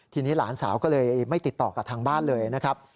ทีนี้หลานสาวก็เลยไม่ติดต่อกับทางบ้านเลยนะครับ